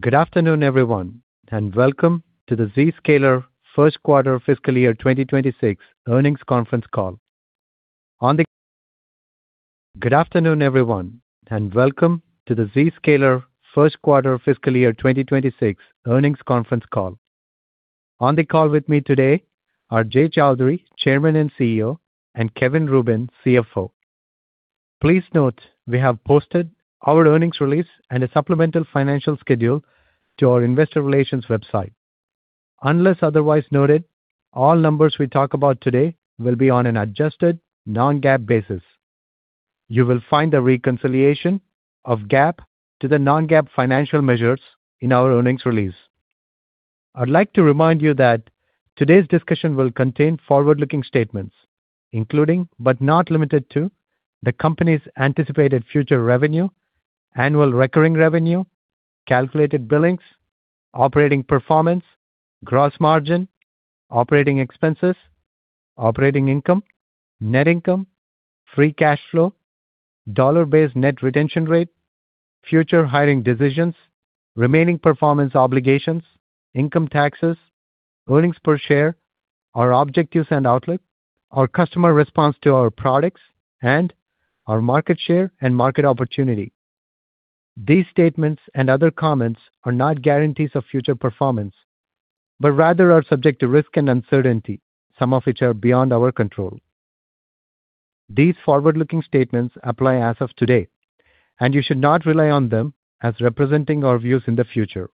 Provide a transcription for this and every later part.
Good afternoon, everyone, and welcome to the Zscaler first quarter fiscal year 2026 earnings conference call. Good afternoon, everyone, and welcome to the Zscaler first quarter fiscal year 2026 earnings conference call. On the call with me today are Jay Chaudhry, Chairman and CEO, and Kevin Rubin, CFO. Please note we have posted our earnings release and a supplemental financial schedule to our Investor Relations website. Unless otherwise noted, all numbers we talk about today will be on an adjusted, non-GAAP basis. You will find the reconciliation of GAAP to the non-GAAP financial measures in our earnings release. I'd like to remind you that today's discussion will contain forward-looking statements, including, but not limited to, the company's anticipated future revenue, annual recurring revenue, calculated billings, operating performance, gross margin, operating expenses, operating income, net income, free cash flow, dollar-based net retention rate, future hiring decisions, remaining performance obligations, income taxes, earnings per share, our objectives and outlook, our customer response to our products, and our market share and market opportunity. These statements and other comments are not guarantees of future performance, but rather are subject to risk and uncertainty, some of which are beyond our control. These forward-looking statements apply as of today, and you should not rely on them as representing our views in the future.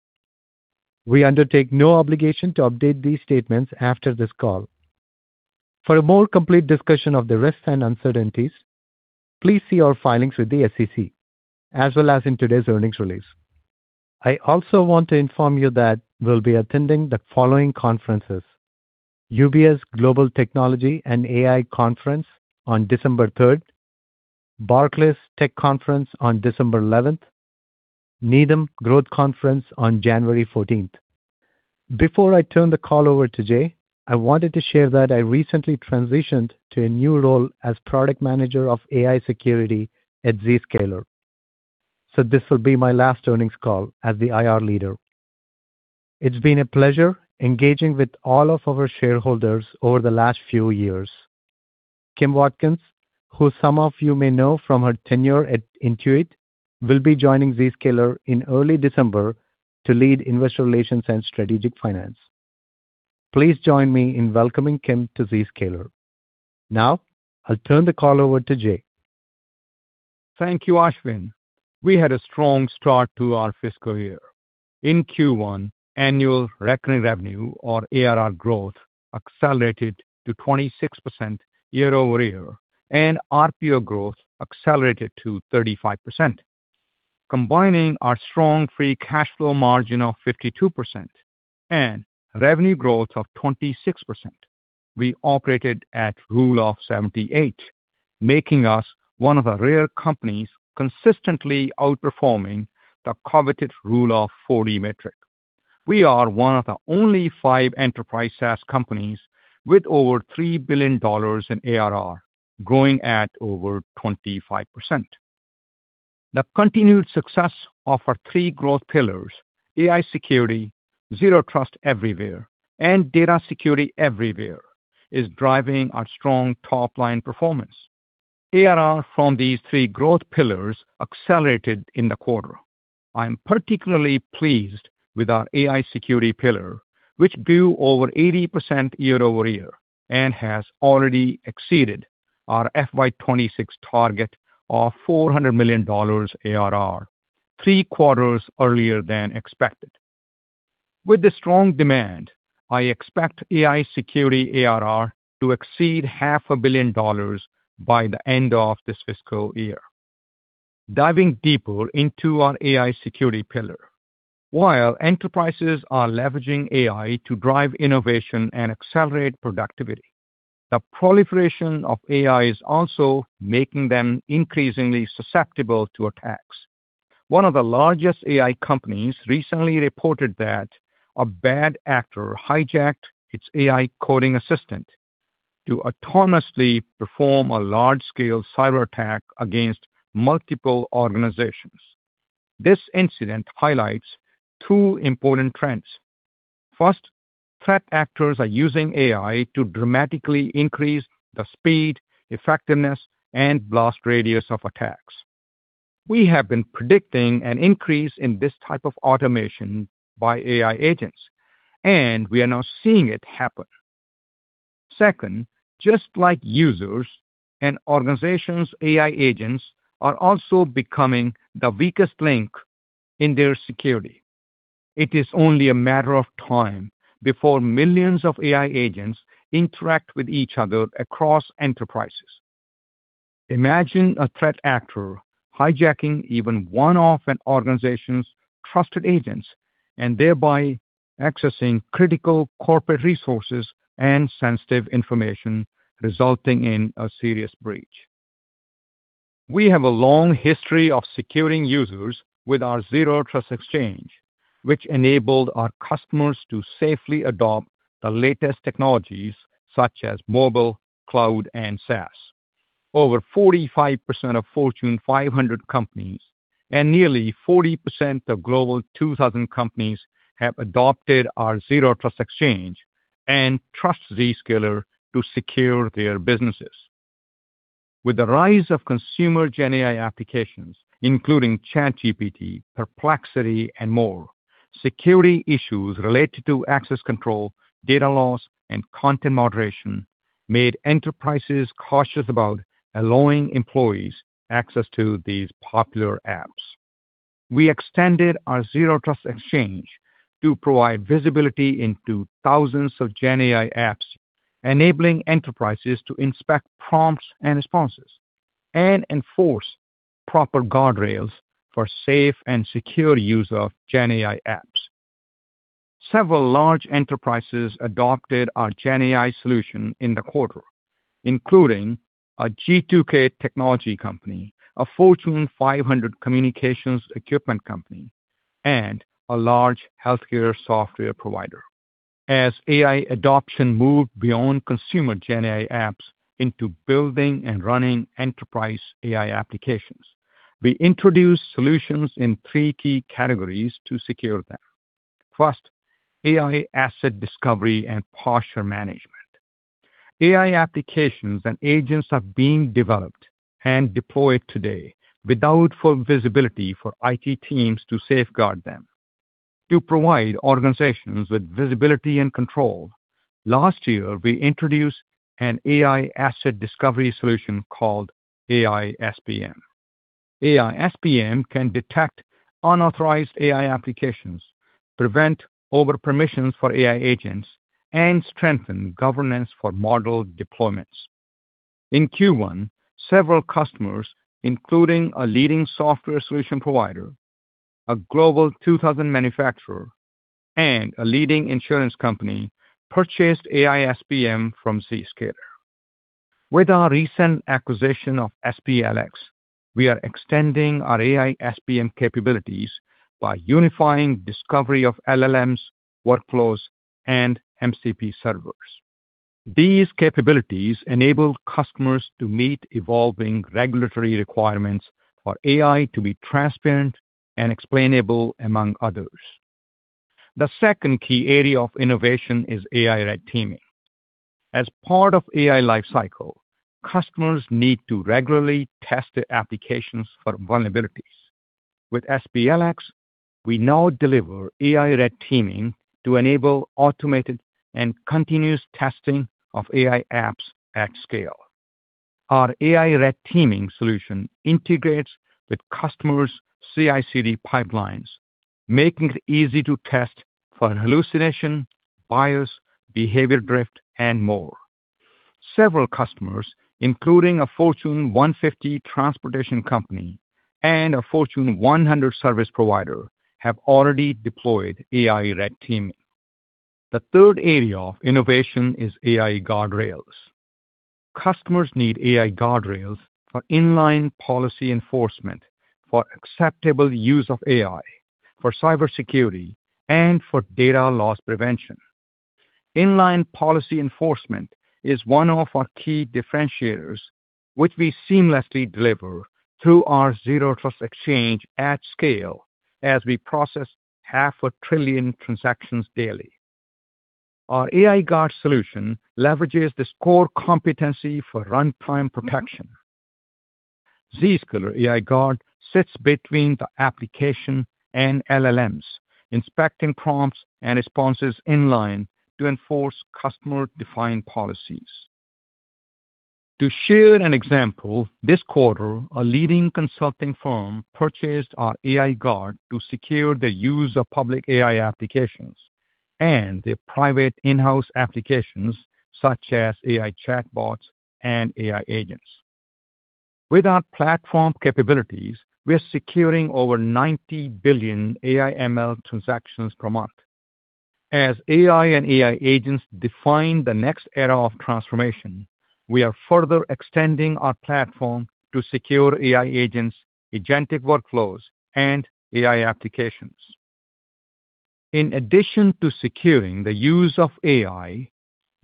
We undertake no obligation to update these statements after this call. For a more complete discussion of the risks and uncertainties, please see our filings with the SEC, as well as in today's earnings release. I also want to inform you that we'll be attending the following conferences: UBS Global Technology and AI Conference on December 3rd, Barclays Tech Conference on December 11th, and Needham Growth Conference on January 14th. Before I turn the call over to Jay, I wanted to share that I recently transitioned to a new role as Product Manager of AI Security at Zscaler. This will be my last earnings call as the IR leader. It's been a pleasure engaging with all of our shareholders over the last few years. Kim Watkins, who some of you may know from her tenure at Intuit, will be joining Zscaler in early December to lead Investor Relations and Strategic Finance. Please join me in welcoming Kim to Zscaler. Now, I'll turn the call over to Jay. Thank you, Ashwin. We had a strong start to our fiscal year. In Q1, annual recurring revenue, or ARR, growth accelerated to 26% year-over-year, and RPO growth accelerated to 35%. Combining our strong free cash flow margin of 52% and revenue growth of 26%, we operated at Rule-of-78, making us one of the rare companies consistently outperforming the coveted Rule-of-40 metric. We are one of the only five enterprise SaaS companies with over $3 billion in ARR, growing at over 25%. The continued success of our three growth pillars, AI Security, Zero Trust Everywhere, and Data Security Everywhere, is driving our strong top-line performance. ARR from these three growth pillars accelerated in the quarter. I'm particularly pleased with our AI Security pillar, which grew over 80% year-over-year and has already exceeded our FY 2026 target of $400 million ARR, three quarters earlier than expected. With the strong demand, I expect AI Security ARR to exceed $500,000,000 by the end of this fiscal year. Diving deeper into our AI Security pillar, while enterprises are leveraging AI to drive innovation and accelerate productivity, the proliferation of AI is also making them increasingly susceptible to attacks. One of the largest AI companies recently reported that a bad actor hijacked its AI coding assistant to autonomously perform a large-scale cyber attack against multiple organizations. This incident highlights two important trends. First, threat actors are using AI to dramatically increase the speed, effectiveness, and blast radius of attacks. We have been predicting an increase in this type of automation by AI agents, and we are now seeing it happen. Second, just like users, organizations' AI agents are also becoming the weakest link in their security. It is only a matter of time before millions of AI agents interact with each other across enterprises. Imagine a threat actor hijacking even one of an organization's trusted agents and thereby accessing critical corporate resources and sensitive information, resulting in a serious breach. We have a long history of securing users with our Zero Trust Exchange, which enabled our customers to safely adopt the latest technologies such as mobile, cloud, and SaaS. Over 45% of Fortune 500 companies and nearly 40% of Global 2000 companies have adopted our Zero Trust Exchange and trust Zscaler to secure their businesses. With the rise of consumer GenAI applications, including ChatGPT, Perplexity, and more, security issues related to access control, data loss, and content moderation made enterprises cautious about allowing employees access to these popular apps. We extended our Zero Trust Exchange to provide visibility into thousands of GenAI apps, enabling enterprises to inspect prompts and responses and enforce the proper guardrails for safe and secure use of GenAI apps. Several large enterprises adopted our GenAI solution in the quarter, including a G2K technology company, a Fortune 500 communications equipment company, and a large healthcare software provider. As AI adoption moved beyond consumer GenAI apps into building and running enterprise AI applications, we introduced solutions in three key categories to secure them. First, AI asset discovery and posture management. AI applications and agents are being developed and deployed today without visibility for IT teams to safeguard them. To provide organizations with visibility and control, last year, we introduced an AI asset discovery solution called AI-SPM. AI-SPM can detect unauthorized AI applications, prevent over-permissions for AI agents, and strengthen governance for model deployments. In Q1, several customers, including a leading software solution provider, a Global 2000 manufacturer, and a leading insurance company, purchased AI-SPM from Zscaler. With our recent acquisition of SPLX, we are extending our AI-SPM capabilities by unifying discovery of LLMs, workflows, and MCP servers. These capabilities enable customers to meet evolving regulatory requirements for AI to be transparent and explainable, among others. The second key area of innovation is AI Red teaming. As part of the AI lifecycle, customers need to regularly test their applications for vulnerabilities. With SPLX, we now deliver AI Red teaming to enable automated and continuous testing of AI apps at scale. Our AI Red teaming solution integrates with customers' CI/CD pipelines, making it easy to test for hallucination, bias, behavior drift, and more. Several customers, including a Fortune 150 transportation company and a Fortune 100 service provider, have already deployed AI Red teaming. The third area of innovation is AI Guardrails. Customers need AI Guardrails for inline policy enforcement, for acceptable use of AI, for cybersecurity, and for data loss prevention. Inline policy enforcement is one of our key differentiators, which we seamlessly deliver through our Zero Trust Exchange at scale as we process half a trillion transactions daily. Our AI Guard solution leverages this core competency for runtime protection. Zscaler AI Guard sits between the application and LLMs, inspecting prompts and responses inline to enforce customer-defined policies. To share an example, this quarter, a leading consulting firm purchased our AI Guard to secure the use of public AI applications and their private in-house applications, such as AI chatbots and AI agents. With our platform capabilities, we are securing over 90 billion AI/ML transactions per month. As AI and AI agents define the next era of transformation, we are further extending our platform to secure AI agents, agentic workflows, and AI applications. In addition to securing the use of AI,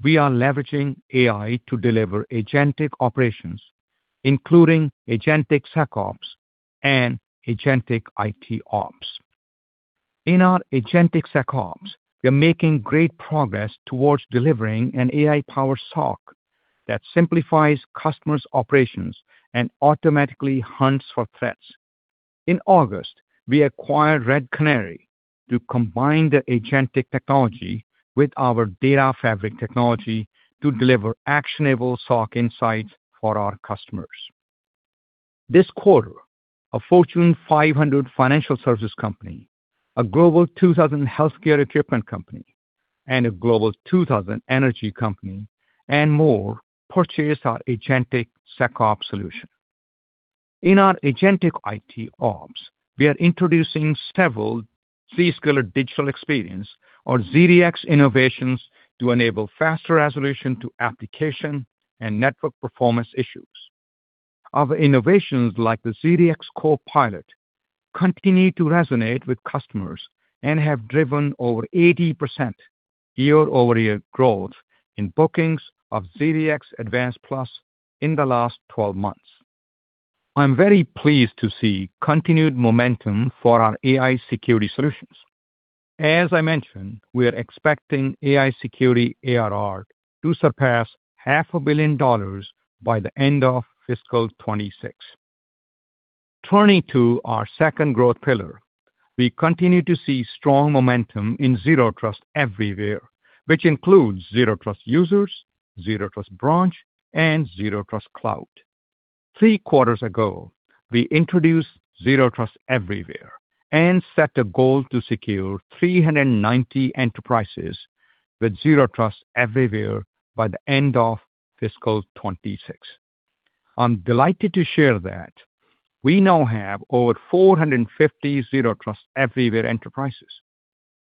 we are leveraging AI to deliver agentic operations, including Agentic SecOps and Agentic IT-Ops. In our Agentic SecOps, we are making great progress towards delivering an AI-Powered SoC that simplifies customers' operations and automatically hunts for threats. In August, we acquired Red Canary to combine the agentic technology with our Data Fabric technology to deliver actionable SoC insights for our customers. This quarter, a Fortune 500 financial services company, a Global 2000 healthcare equipment company, and a Global 2000 energy company and more purchased our Agentic SecOps solution. In our Agentic IT-Ops, we are introducing several Zscaler Digital Experience, or ZDX, innovations to enable faster resolution to application and network performance issues. Our innovations, like the ZDX Copilot, continue to resonate with customers and have driven over 80% year-over-year growth in bookings of ZDX Advanced Plus in the last 12 months. I'm very pleased to see continued momentum for our AI Security solutions. As I mentioned, we are expecting AI Security ARR to surpass $500,000,000 by the end of fiscal 2026. Returning to our second growth pillar, we continue to see strong momentum in Zero Trust Everywhere, which includes Zero Trust Users, Zero Trust Branch, and Zero Trust Cloud. Three quarters ago, we introduced Zero Trust Everywhere and set a goal to secure 390 enterprises with Zero Trust Everywhere by the end of fiscal 2026. I'm delighted to share that we now have over 450 Zero Trust Everywhere enterprises,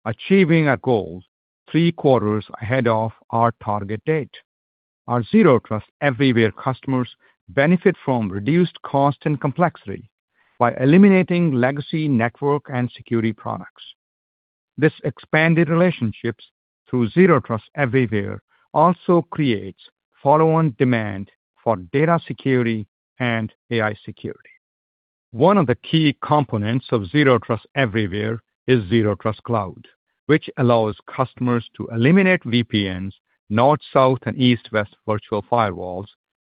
achieving our goals three quarters ahead of our target date. Our Zero Trust Everywhere customers benefit from reduced cost and complexity by eliminating legacy network and security products. This expanded relationship through Zero Trust Everywhere also creates follow-on demand for data security and AI Security. One of the key components of Zero Trust Everywhere is Zero Trust Cloud, which allows customers to eliminate VPNs, North, South, and East-West virtual firewalls,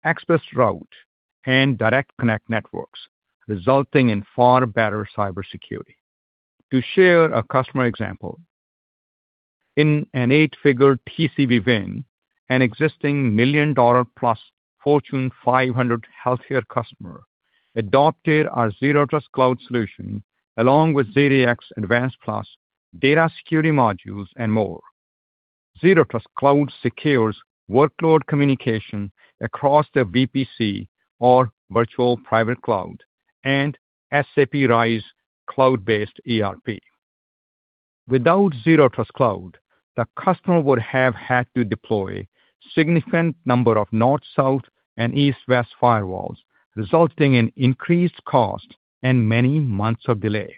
ExpressRoute, and Direct Connect networks, resulting in far better cybersecurity. To share a customer example, in an eight-figure TCV win, an existing million-dollar-plus Fortune 500 healthcare customer adopted our Zero Trust Cloud solution along with ZDX Advanced Plus Data Security modules and more. Zero Trust Cloud secures workload communication across the VPC or Virtual Private Cloud and SAP RISE cloud-based ERP. Without Zero Trust Cloud, the customer would have had to deploy a significant number of North, South, and East-West firewalls, resulting in increased cost and many months of delay.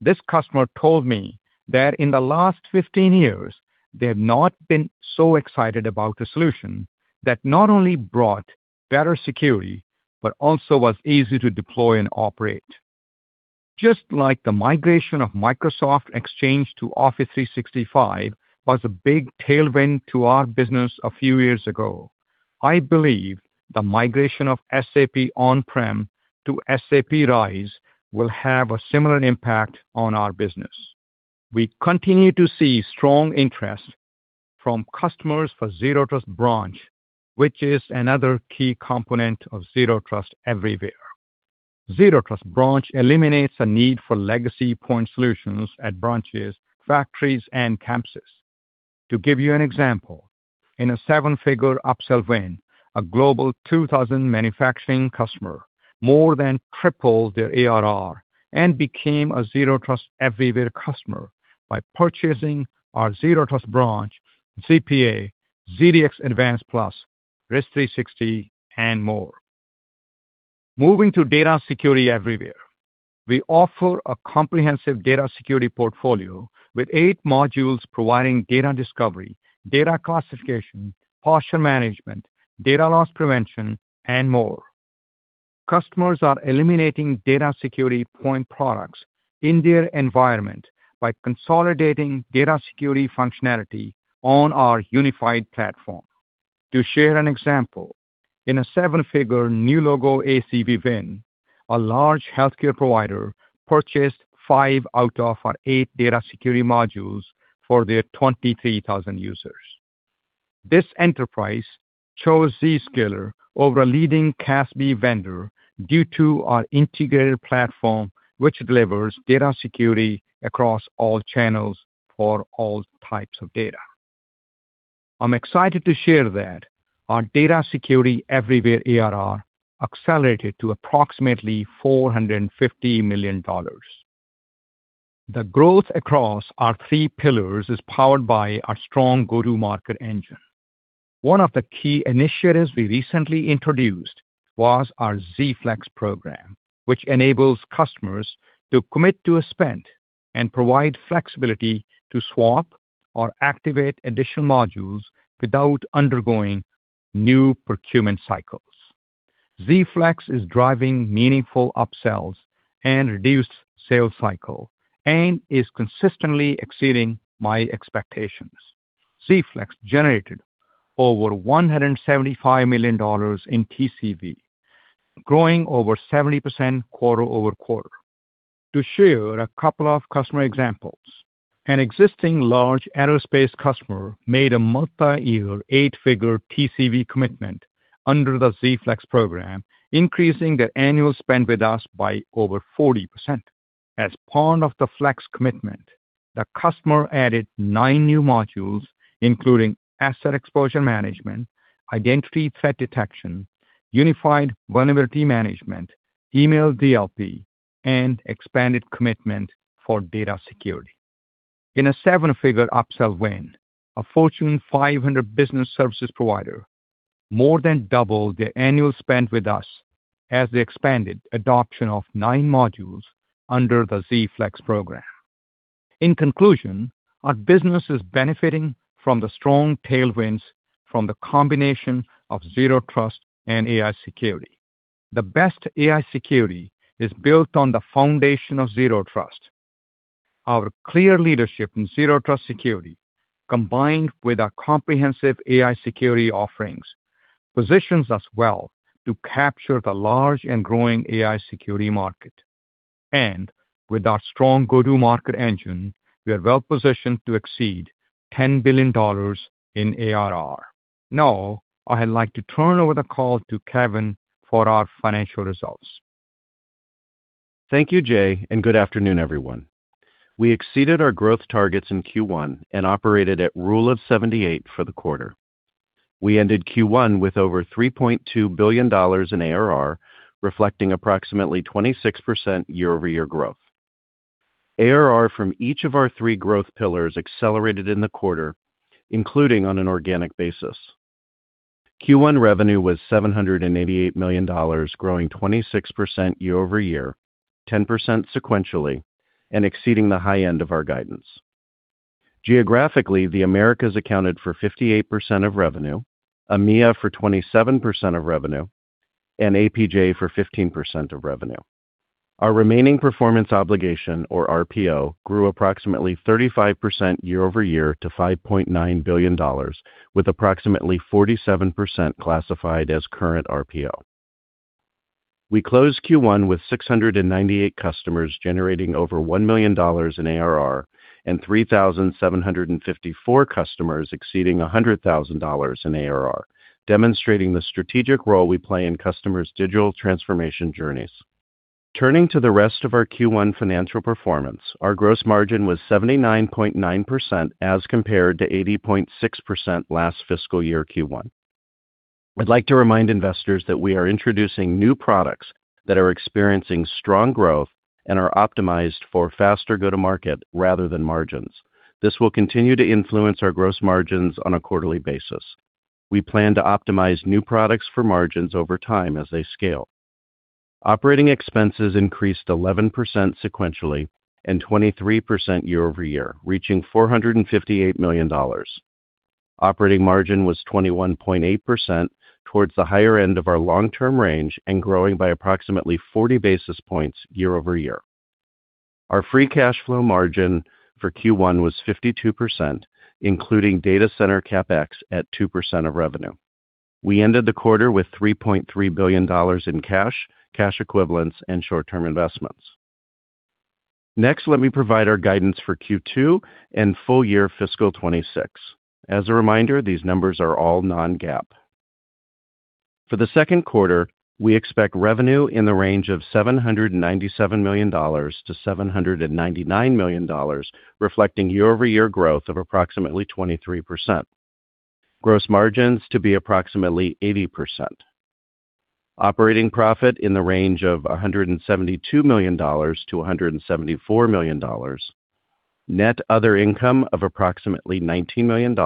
This customer told me that in the last 15 years, they have not been so excited about the solution that not only brought better security, but also was easy to deploy and operate. Just like the migration of Microsoft Exchange to Office 365 was a big tailwind to our business a few years ago, I believe the migration of SAP on-prem to SAP RISE will have a similar impact on our business. We continue to see strong interest from customers for Zero Trust Branch, which is another key component of Zero Trust Everywhere. Zero Trust Branch eliminates the need for legacy point solutions at branches, factories, and campuses. To give you an example, in a seven-figure upsell win, a Global 2000 manufacturing customer more than tripled their ARR and became a Zero Trust Everywhere customer by purchasing our Zero Trust Branch, ZPA, ZDX Advanced Plus, Risk 360, and more. Moving to Data Security Everywhere, we offer a comprehensive data security portfolio with eight modules providing data discovery, data classification, posture management, data loss prevention, and more. Our customers are eliminating data security point products in their environment by consolidating data security functionality on our unified platform. To share an example, in a seven-figure new logo ACV win, a large healthcare provider purchased five out of our eight data security modules for their 23,000 users. This enterprise chose Zscaler over a leading CASB vendor due to our integrated platform, which delivers data security across all channels for all types of data. I'm excited to share that our Data Security Everywhere ARR accelerated to approximately $450 million. The growth across our three pillars is powered by our strong go-to-market engine. One of the key initiatives we recently introduced was our Z-Flex program, which enables customers to commit to a spend and provide flexibility to swap or activate additional modules without undergoing new procurement cycles. Z-Flex is driving meaningful upsells and reduced sales cycles and is consistently exceeding my expectations. Z-Flex generated over $175 million in TCV, growing over 70% quarter-over-quarter. To share a couple of customer examples, an existing large aerospace customer made a multi-year eight-figure TCV commitment under the Z-Flex program, increasing their annual spend with us by over 40%. As part of the Flex commitment, the customer added nine new modules, including asset exposure management, identity threat detection, unified vulnerability management, email DLP, and expanded commitment for data security. In a seven-figure upsell win, a Fortune 500 business services provider more than doubled their annual spend with us as they expanded adoption of nine modules under the Z-Flex program. In conclusion, our business is benefiting from the strong tailwinds from the combination of Zero Trust and AI Security. The best AI security is built on the foundation of Zero Trust. Our clear leadership in Zero Trust security, combined with our comprehensive AI Security offerings, positions us well to capture the large and growing AI security market. With our strong go-to-market engine, we are well positioned to exceed $10 billion in ARR. Now, I'd like to turn over the call to Kevin for our financial results. Thank you, Jay, and good afternoon, everyone. We exceeded our growth targets in Q1 and operated at Rule-of-78 for the quarter. We ended Q1 with over $3.2 billion in ARR, reflecting approximately 26% year-over-year growth. ARR from each of our three growth pillars accelerated in the quarter, including on an organic basis. Q1 revenue was $788 million, growing 26% year-over-year, 10% sequentially, and exceeding the high end of our guidance. Geographically, the Americas accounted for 58% of revenue, EMEA for 27% of revenue, and APJ for 15% of revenue. Our remaining performance obligation, or RPO, grew approximately 35% year-over-year to $5.9 billion, with approximately 47% classified as current RPO. We closed Q1 with 698 customers generating over $1 million in ARR and 3,754 customers exceeding $100,000 in ARR, demonstrating the strategic role we play in customers' digital transformation journeys. Turning to the rest of our Q1 financial performance, our gross margin was 79.9% as compared to 80.6% last fiscal year Q1. I would like to remind investors that we are introducing new products that are experiencing strong growth and are optimized for faster go-to-market rather than margins. This will continue to influence our gross margins on a quarterly basis. We plan to optimize new products for margins over time as they scale. Operating expenses increased 11% sequentially and 23% year-over-year, reaching $458 million. Operating margin was 21.8% towards the higher end of our long-term range and growing by approximately 40 basis points year-over-year. Our free cash flow margin for Q1 was 52%, including data center CapEx at 2% of revenue. We ended the quarter with $3.3 billion in cash, cash equivalents, and short-term investments. Next, let me provide our guidance for Q2 and full year fiscal 2026. As a reminder, these numbers are all non-GAAP. For the second quarter, we expect revenue in the range of $797 million-$799 million, reflecting year-over-year growth of approximately 23%. Gross margins to be approximately 80%. Operating profit in the range of $172 million-$174 million. Net other income of approximately $19 million.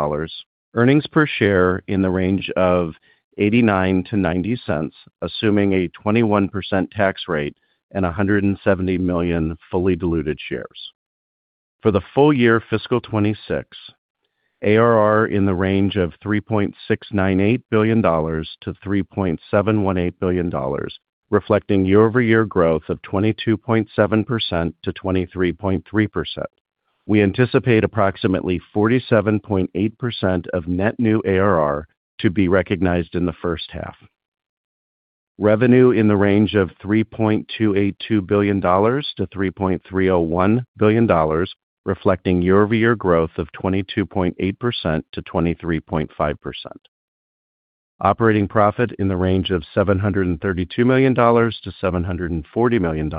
Earnings per share in the range of $0.89-$0.90, assuming a 21% tax rate and 170 million fully diluted shares. For the full year fiscal 2026, ARR in the range of $3.698 billion-$3.718 billion, reflecting year-over-year growth of 22.7%-23.3%. We anticipate approximately 47.8% of net new ARR to be recognized in the first half. Revenue in the range of $3.282 billion-$3.301 billion, reflecting year-over-year growth of 22.8%-23.5%. Operating profit in the range of $732 million-$740 million.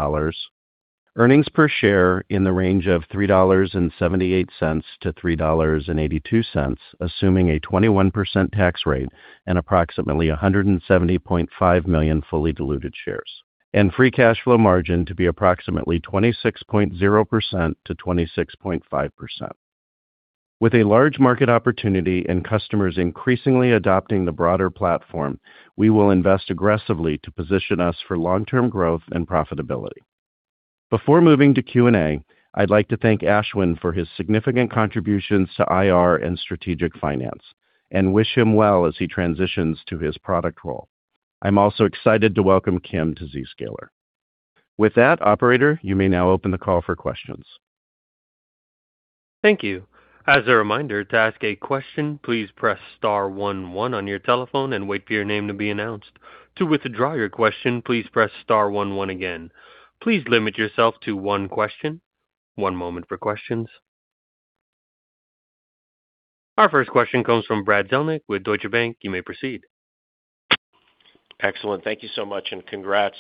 Earnings per share in the range of $3.78-$3.82, assuming a 21% tax rate and approximately 170.5 million fully diluted shares. Free cash flow margin to be approximately 26.0%-26.5%. With a large market opportunity and customers increasingly adopting the broader platform, we will invest aggressively to position us for long-term growth and profitability. Before moving to Q&A, I'd like to thank Ashwin for his significant contributions to IR and Strategic Finance and wish him well as he transitions to his product role. I'm also excited to welcome Kim to Zscaler. With that, Operator, you may now open the call for questions. Thank you. As a reminder, to ask a question, please press star one one on your telephone and wait for your name to be announced. To withdraw your question, please press star one one again. Please limit yourself to one question. One moment for questions. Our first question comes from Brad Zelnick with Deutsche Bank. You may proceed. Excellent. Thank you so much and congrats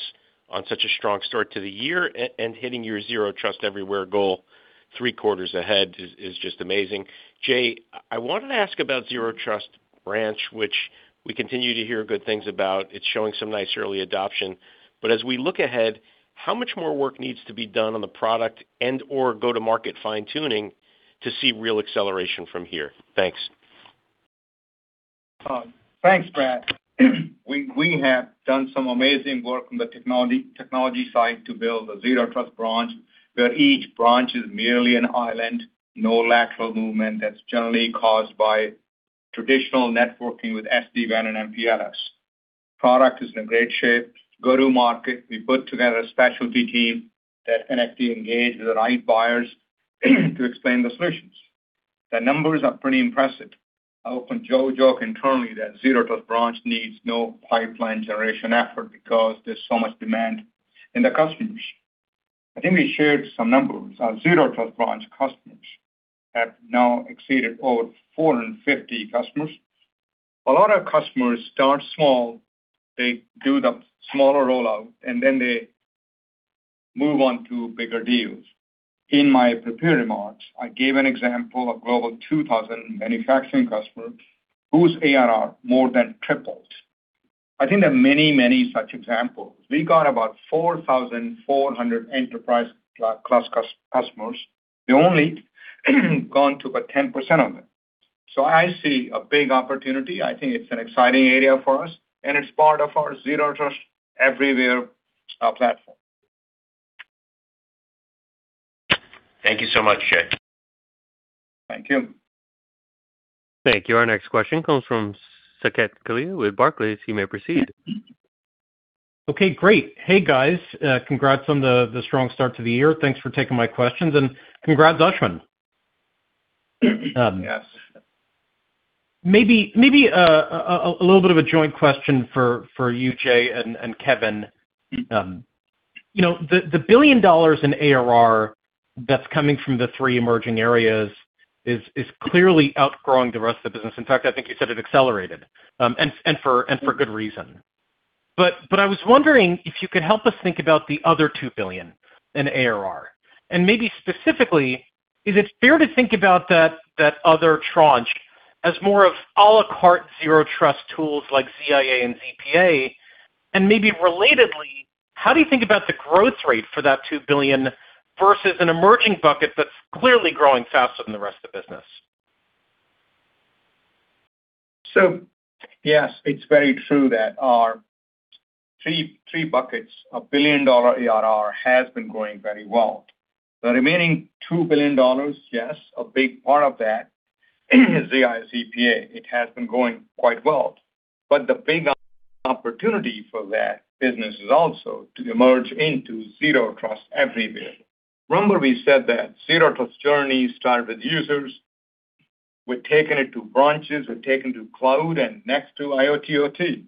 on such a strong start to the year and hitting your Zero Trust Everywhere goal three quarters ahead is just amazing. Jay, I wanted to ask about Zero Trust Branch, which we continue to hear good things about. It's showing some nice early adoption. As we look ahead, how much more work needs to be done on the product and/or go-to-market fine-tuning to see real acceleration from here? Thanks. Thanks, Brad. We have done some amazing work on the technology side to build a Zero Trust Branch where each branch is merely an island, no lateral movement that's generally caused by traditional networking with SD-WAN and MPLS. Product is in great shape. Go-to-market, we put together a specialty team that can actually engage with the right buyers to explain the solutions. The numbers are pretty impressive. I often joke internally that Zero Trust Branch needs no pipeline generation effort because there's so much demand in the customers. I think we shared some numbers. Our Zero Trust Branch customers have now exceeded over 450 customers. A lot of customers start small. They do the smaller rollout, and then they move on to bigger deals. In my prepared remarks, I gave an example of Global 2000 manufacturing customers whose ARR more than tripled. I think there are many, many such examples. We got about 4,400 enterprise-class customers. We only gone to about 10% of them. I see a big opportunity. I think it's an exciting area for us, and it's part of our Zero Trust Everywhere platform. Thank you so much, Jay. Thank you. Thank you. Our next question comes from Saket Kalia with Barclays. You may proceed. Okay, great. Hey, guys. Congrats on the strong start to the year. Thanks for taking my questions. And congrats, Ashwin. Yes. Maybe a little bit of a joint question for you, Jay, and Kevin. The billion dollars in ARR that's coming from the three emerging areas is clearly outgrowing the rest of the business. In fact, I think you said it accelerated, and for good reason. I was wondering if you could help us think about the other $2 billion in ARR. Maybe specifically, is it fair to think about that other tranche as more of à la carte Zero Trust tools like ZIA and ZPA? Maybe relatedly, how do you think about the growth rate for that $2 billion versus an emerging bucket that's clearly growing faster than the rest of the business? Yes, it's very true that our three buckets, a billion-dollar ARR, has been growing very well. The remaining $2 billion, yes, a big part of that is ZIA and ZPA. It has been growing quite well. The big opportunity for that business is also to emerge into Zero Trust Everywhere. Remember we said that Zero Trust journey started with users. We've taken it to branches. We've taken it to cloud and next to IoT/OT.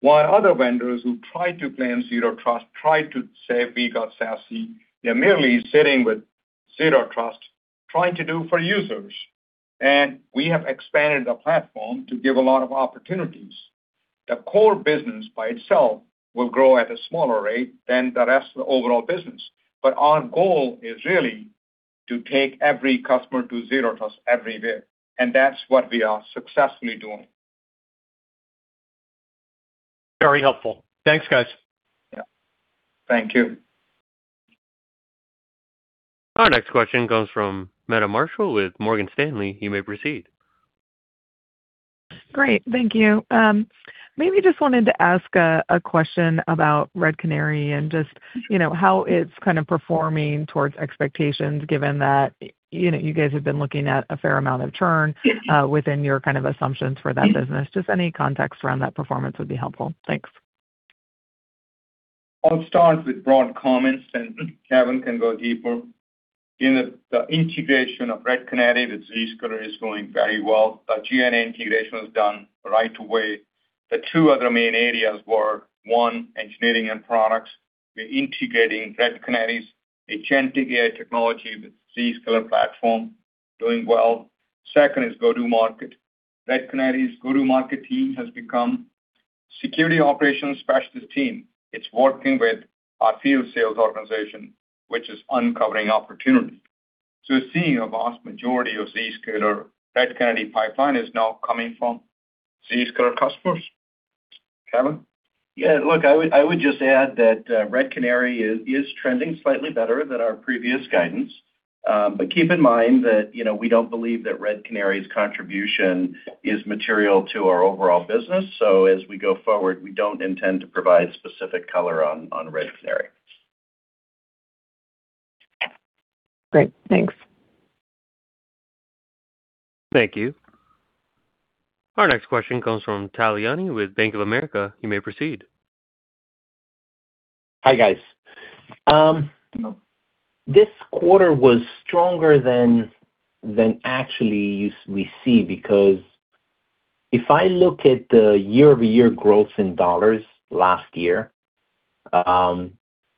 While other vendors who tried to claim Zero Trust tried to say, "We got SASE," they're merely sitting with Zero Trust trying to do for users. We have expanded the platform to give a lot of opportunities. The core business by itself will grow at a smaller rate than the rest of the overall business. Our goal is really to take every customer to Zero Trust Everywhere. That's what we are successfully doing. Very helpful. Thanks, guys. Yeah. Thank you. Our next question comes from Meta Marshall with Morgan Stanley. You may proceed. Great. Thank you. Maybe I just wanted to ask a question about Red Canary and just how it's kind of performing towards expectations, given that you guys have been looking at a fair amount of churn within your kind of assumptions for that business. Just any context around that performance would be helpful. Thanks. I'll start with broad comments, and Kevin can go deeper. The integration of Red Canary with Zscaler is going very well. The GNA integration was done right away. The two other main areas were, one, engineering and products. We're integrating Red Canary's agentic AI technology with Zscaler platform, doing well. Second is go-to-market. Red Canary's go-to-market team has become a security operations specialist team. It's working with our field sales organization, which is uncovering opportunity. We are seeing a vast majority of Zscaler Red Canary pipeline is now coming from Zscaler customers. Kevin? Yeah. Look, I would just add that Red Canary is trending slightly better than our previous guidance. But keep in mind that we do not believe that Red Canary's contribution is material to our overall business. As we go forward, we do not intend to provide specific color on Red Canary. Great. Thanks. Thank you. Our next question comes from Tal Liani with Bank of America. You may proceed. Hi, guys. This quarter was stronger than actually we see because if I look at the year-over-year growth in dollars last year,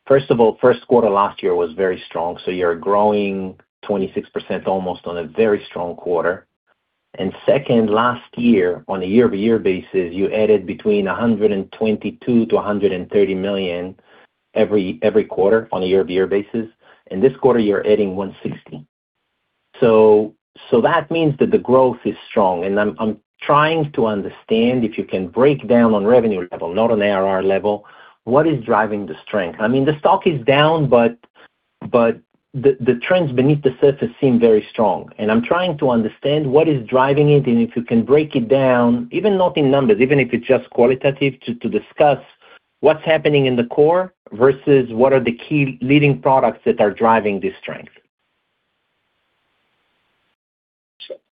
first of all, first quarter last year was very strong. You are growing 26% almost on a very strong quarter. Second, last year, on a year-over-year basis, you added between $122 million-$130 million every quarter on a year-over-year basis. This quarter, you are adding $160 million. That means that the growth is strong. I'm trying to understand if you can break down on revenue level, not on ARR level, what is driving the strength. I mean, the stock is down, but the trends beneath the surface seem very strong. I'm trying to understand what is driving it. If you can break it down, even not in numbers, even if it's just qualitative, to discuss what's happening in the core versus what are the key leading products that are driving this strength.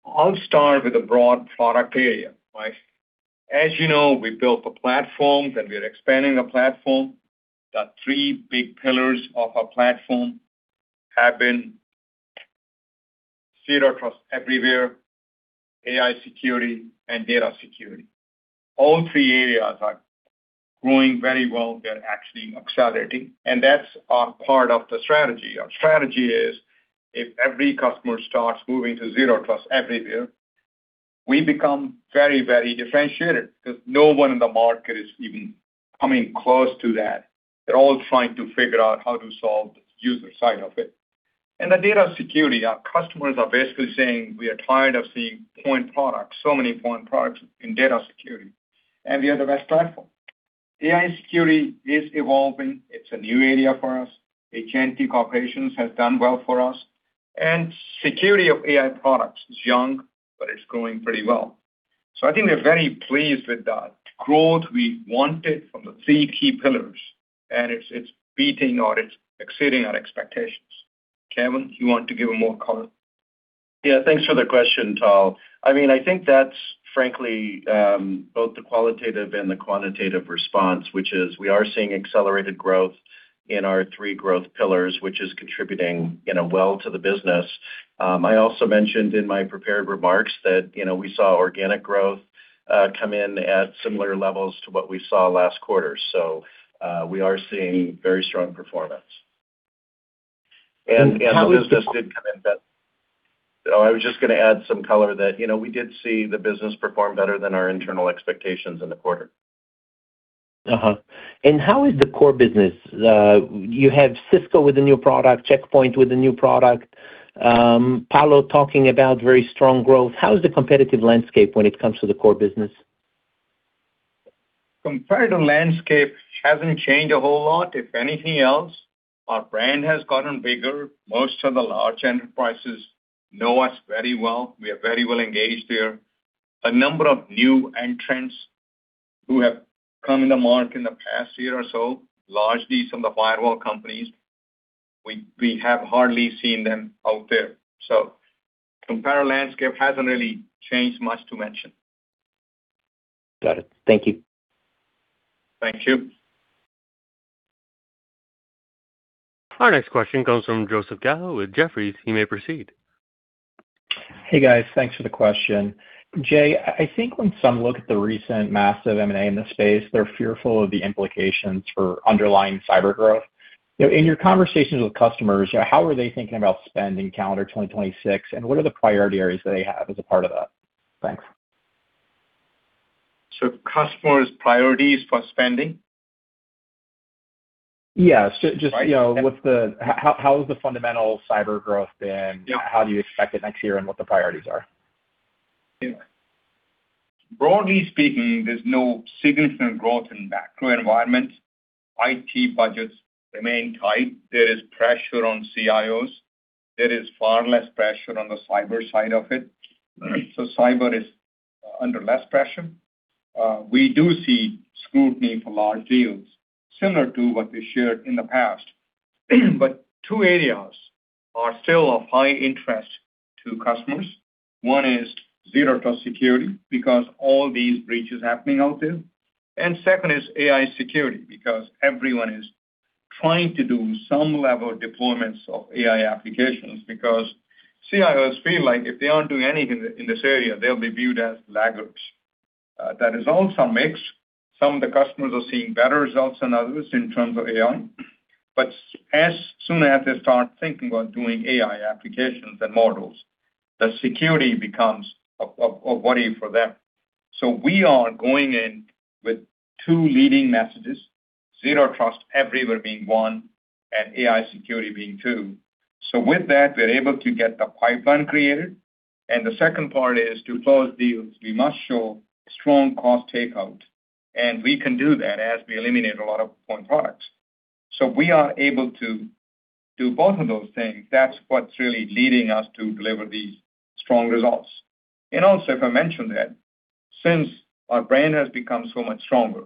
I'll start with a broad product area. As you know, we built a platform, and we are expanding the platform. The three big pillars of our platform have been Zero Trust Everywhere, AI Security, and Data Security. All three areas are growing very well. They're actually accelerating. That's our part of the strategy. Our strategy is if every customer starts moving to Zero Trust Everywhere, we become very, very differentiated because no one in the market is even coming close to that. They're all trying to figure out how to solve the user side of it. The data security, our customers are basically saying, "We are tired of seeing point products, so many point products in data security, and we are the best platform." AI security is evolving. It's a new area for us. Agentic operations has done well for us. Security of AI products is young, but it's growing pretty well. I think we're very pleased with that growth we wanted from the three key pillars, and it's beating or it's exceeding our expectations. Kevin, you want to give a more color? Yeah. Thanks for the question, Tal. I mean, I think that's frankly both the qualitative and the quantitative response, which is we are seeing accelerated growth in our three growth pillars, which is contributing well to the business. I also mentioned in my prepared remarks that we saw organic growth come in at similar levels to what we saw last quarter. We are seeing very strong performance. The business did come in better. I was just going to add some color that we did see the business perform better than our internal expectations in the quarter. How is the core business? You have Cisco with a new product, Check Point with a new product, Palo talking about very strong growth. How is the competitive landscape when it comes to the core business? Competitive landscape hasn't changed a whole lot. If anything else, our brand has gotten bigger. Most of the large enterprises know us very well. We are very well engaged here. A number of new entrants who have come in the market in the past year or so, largely some of the firewall companies, we have hardly seen them out there. So comparative landscape hasn't really changed much to mention. Got it. Thank you. Thank you. Our next question comes from Joseph Gallo with Jefferies. You may proceed. Hey, guys. Thanks for the question. Jay, I think when some look at the recent massive M&A in the space, they're fearful of the implications for underlying cyber growth. In your conversations with customers, how are they thinking about spending calendar 2026? And what are the priority areas that they have as a part of that? Thanks. Customers' priorities for spending? Yeah. Just how has the fundamental cyber growth been? How do you expect it next year and what the priorities are? Broadly speaking, there's no significant growth in the macro environment. IT budgets remain tight. There is pressure on CIOs. There is far less pressure on the cyber side of it. So cyber is under less pressure. We do see scrutiny for large deals, similar to what we shared in the past. Two areas are still of high interest to customers. One is Zero Trust Security because all these breaches are happening out there. Second is AI Security because everyone is trying to do some level of deployments of AI applications because CIOs feel like if they aren't doing anything in this area, they'll be viewed as laggards. That is also a mix. Some of the customers are seeing better results than others in terms of AI. As soon as they start thinking about doing AI applications and models, the security becomes a worry for them. We are going in with two leading messages, Zero Trust Everywhere being one, and AI Security being two. With that, we're able to get the pipeline created. The second part is to close deals. We must show strong cost takeout. We can do that as we eliminate a lot of point products. We are able to do both of those things. That's what's really leading us to deliver these strong results. If I mention that, since our brand has become so much stronger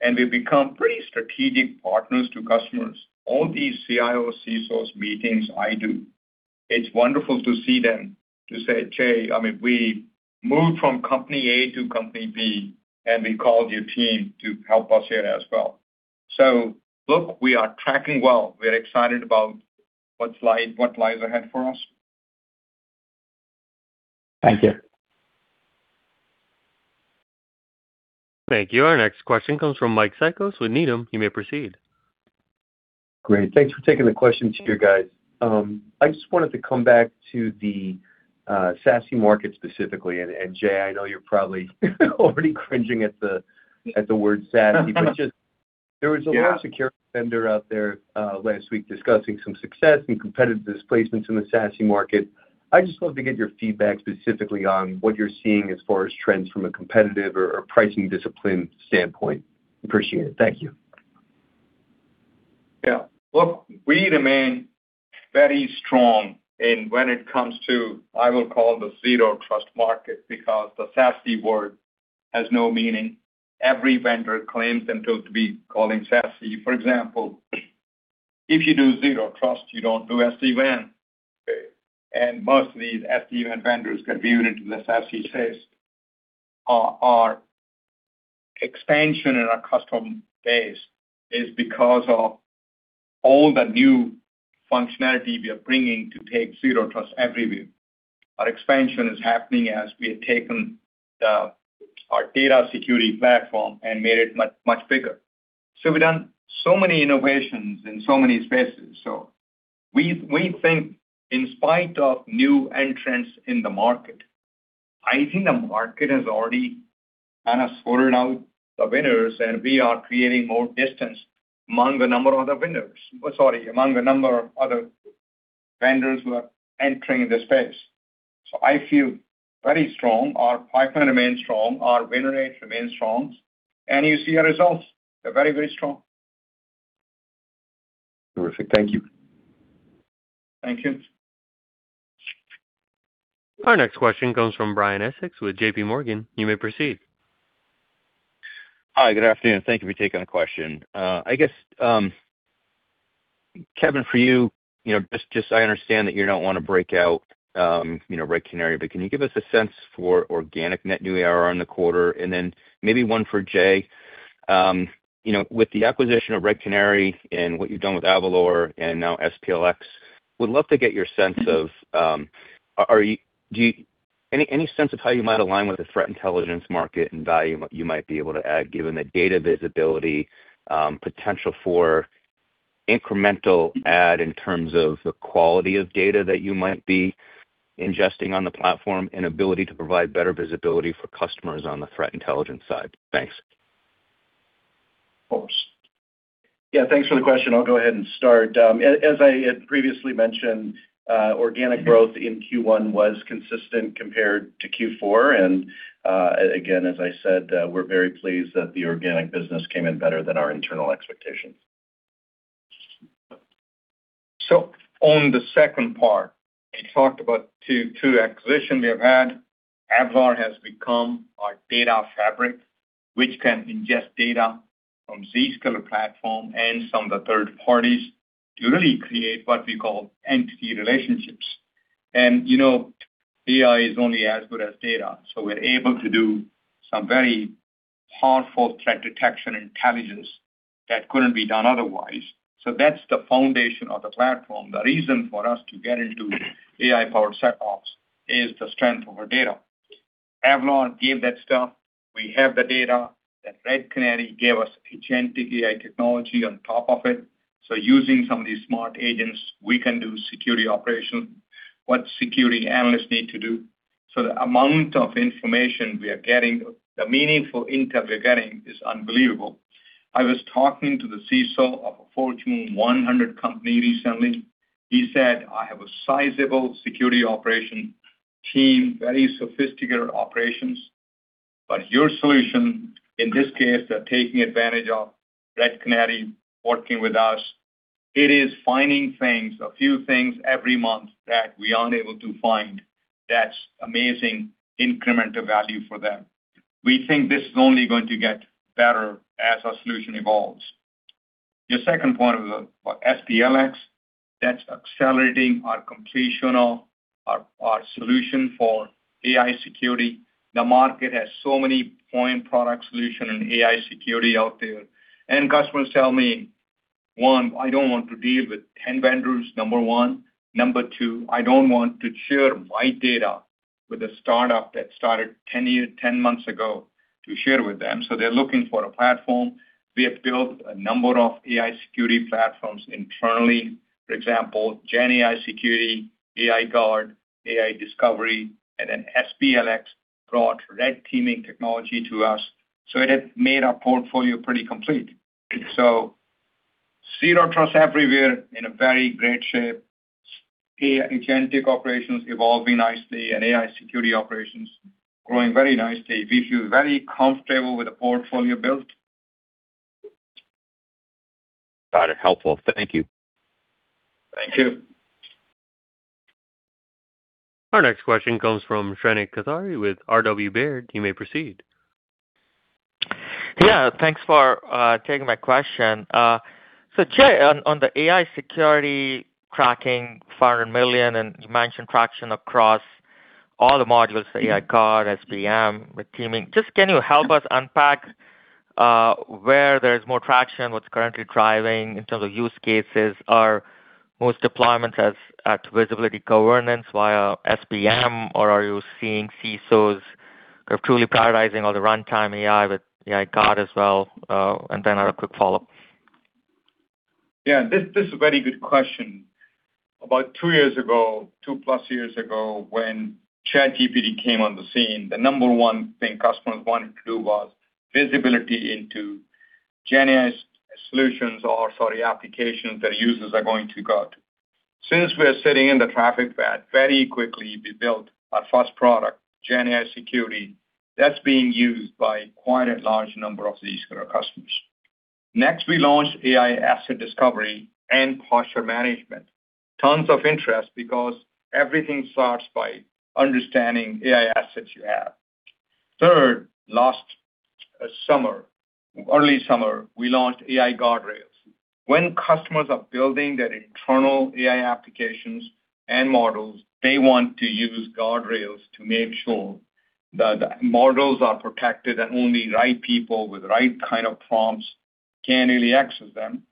and we've become pretty strategic partners to customers, all these CIOs, CSOs, meetings I do, it's wonderful to see them to say, "Jay, I mean, we moved from company A to company B, and we called your team to help us here as well." Look, we are tracking well. We're excited about what lies ahead for us. Thank you. Thank you. Our next question comes from Mike Cikos. Needham, you may proceed. Great. Thanks for taking the question, you guys. I just wanted to come back to the SASE market specifically. Jay, I know you're probably already cringing at the word SASE, but just there was a large security vendor out there last week discussing some success and competitive displacements in the SASE market. I'd just love to get your feedback specifically on what you're seeing as far as trends from a competitive or pricing discipline standpoint. Appreciate it. Thank you. Yeah. Look, we remain very strong in when it comes to, I will call, the Zero Trust market because the SASE word has no meaning. Every vendor claims themselves to be calling SASE. For example, if you do Zero Trust, you don't do SD-WAN. Most of these SD-WAN vendors that we've been into the SASE space, our expansion in our customer base is because of all the new functionality we are bringing to take Zero Trust Everywhere. Our expansion is happening as we have taken our data security platform and made it much bigger. We've done so many innovations in so many spaces. We think in spite of new entrants in the market, I think the market has already kind of sorted out the winners, and we are creating more distance among the number of the winners or sorry, among the number of other vendors who are entering the space. I feel very strong. Our pipeline remains strong. Our winner rate remains strong. You see our results. They're very, very strong. Terrific. Thank you. Thank you. Our next question comes from Brian Essex with JPMorgan. You may proceed. Hi. Good afternoon. Thank you for taking the question. I guess, Kevin, for you, just I understand that you don't want to break out Red Canary, but can you give us a sense for organic net new ARR in the quarter? And then maybe one for Jay. With the acquisition of Red Canary and what you've done with Avalor and now SPLX, would love to get your sense of any sense of how you might align with the threat intelligence market and value you might be able to add, given the data visibility, potential for incremental add in terms of the quality of data that you might be ingesting on the platform, and ability to provide better visibility for customers on the threat intelligence side. Thanks. Of course. Yeah. Thanks for the question. I'll go ahead and start. As I had previously mentioned, organic growth in Q1 was consistent compared to Q4. As I said, we're very pleased that the organic business came in better than our internal expectations. On the second part, we talked about two acquisitions we have had. Avalor has become our Data Fabric, which can ingest data from Zscaler platform and some of the third parties to really create what we call entity relationships. AI is only as good as data. We are able to do some very powerful threat detection intelligence that could not be done otherwise. That is the foundation of the platform. The reason for us to get into AI-powered setups is the strength of our data. Avalor gave that stuff. We have the data. Red Canary gave us agentic AI technology on top of it. Using some of these smart agents, we can do security operations, what security analysts need to do. The amount of information we are getting, the meaningful intel we are getting is unbelievable. I was talking to the CSO of a Fortune 100 company recently. He said, "I have a sizable security operations team, very sophisticated operations. Your solution, in this case, they're taking advantage of Red Canary working with us. It is finding things, a few things every month that we aren't able to find. That's amazing incremental value for them. We think this is only going to get better as our solution evolves. Your second point was SPLX. That's accelerating our completion of our solution for AI Security. The market has so many point product solutions and AI security out there. Customers tell me, "One, I don't want to deal with 10 vendors, number one. Number two, I don't want to share my data with a startup that started 10 months ago to share with them." They're looking for a platform. We have built a number of AI Security platforms internally. For example, GenAI Security, AI Guard, AI Discovery, and then SPLX brought AI Red teaming technology to us. It has made our portfolio pretty complete. Zero Trust Everywhere in a very great shape. Agentic operations evolving nicely and AI security operations growing very nicely. We feel very comfortable with the portfolio built. Got it. Helpful. Thank you. Thank you. Our next question comes from Shrenik Kothari with Robert W. Baird. You may proceed. Yeah. Thanks for taking my question. Jay, on the AI Security tracking $500 million, and you mentioned traction across all the modules, AI Guard, SVM, AI Red teaming. Just can you help us unpack where there's more traction, what's currently driving in terms of use cases? Are most deployments at visibility governance via SVM, or are you seeing CSOs truly prioritizing all the runtime AI with AI Guard as well? A quick follow-up. Yeah. This is a very good question. About two years ago, two-plus years ago when ChatGPT came on the scene, the number one thing customers wanted to do was visibility into GenAI solutions or, sorry, applications that users are going to go. Since we are sitting in the traffic path, very quickly we built our first product, GenAI Security. That's being used by quite a large number of Zscaler customers. Next, we launched AI Asset Discovery and Posture Management. Tons of interest because everything starts by understanding AI assets you have. Third, last summer, early summer, we launched AI Guardrails. When customers are building their internal AI applications and models, they want to use guardrails to make sure that the models are protected and only right people with the right kind of prompts can really access them.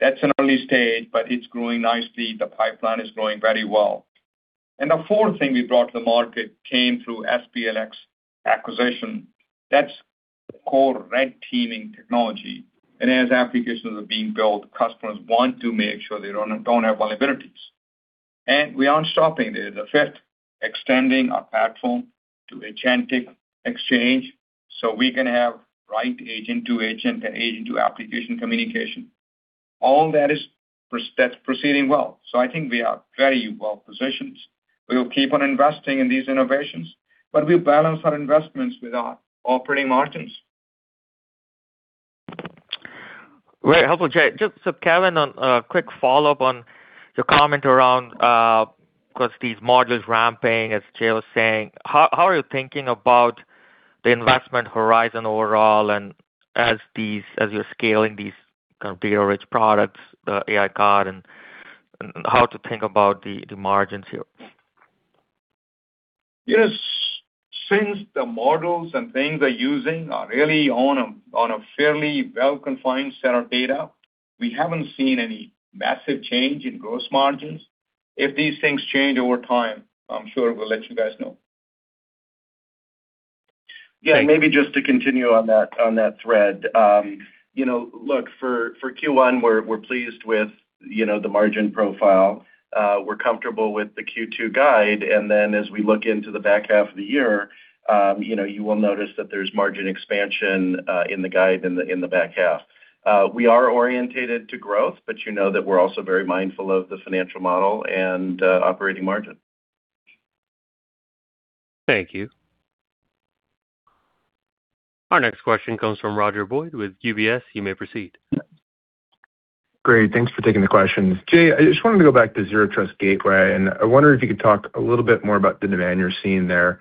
That's an early stage, but it's growing nicely. The pipeline is growing very well. The fourth thing we brought to the market came through SPLX acquisition. That is core AI Red teaming technology. As applications are being built, customers want to make sure they do not have vulnerabilities. We are not stopping there. The fifth, extending our platform to agentic exchange so we can have right agent to agent and agent to application communication. All that is proceeding well. I think we are very well positioned. We will keep on investing in these innovations, but we balance our investments with our operating margins. Very helpful, Jay. Kevin, a quick follow-up on your comment around, of course, these models ramping, as Jay was saying. How are you thinking about the investment horizon overall as you are scaling these computer-rich products, the AI Guard, and how to think about the margins here? Since the models and things they're using are really on a fairly well-confined set of data, we haven't seen any massive change in gross margins. If these things change over time, I'm sure we'll let you guys know. Maybe just to continue on that thread, look, for Q1, we're pleased with the margin profile. We're comfortable with the Q2 guide. As we look into the back half of the year, you will notice that there's margin expansion in the guide in the back half. We are orientated to growth, but you know that we're also very mindful of the financial model and operating margin. Thank you. Our next question comes from Roger Boyd with UBS. You may proceed. Great. Thanks for taking the questions. Jay, I just wanted to go back to Zero Trust Gateway, and I wonder if you could talk a little bit more about the demand you're seeing there.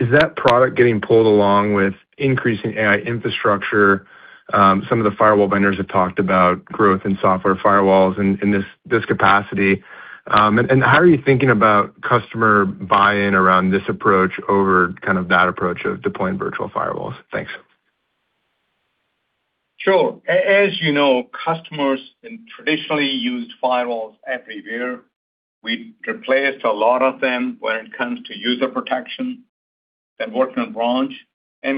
Is that product getting pulled along with increasing AI infrastructure? Some of the firewall vendors have talked about growth in software firewalls in this capacity. How are you thinking about customer buy-in around this approach over kind of that approach of deploying virtual firewalls? Thanks. Sure. As you know, customers traditionally use firewalls everywhere. We replaced a lot of them when it comes to user protection and working on branch.